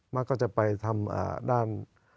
มากก็จะไปทำด้าน